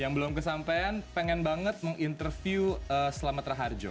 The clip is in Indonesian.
yang belum kesampean pengen banget menginterview selamat raharjo